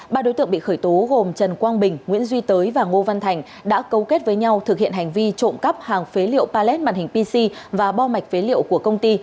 ba đối tượng bị khởi tố gồm trần quang bình nguyễn duy tới và ngô văn thành đã cấu kết với nhau thực hiện hành vi trộm cắp hàng phế liệu pallet màn hình pc và bo mạch phế liệu của công ty